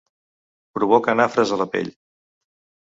Provoca nafres a la pell.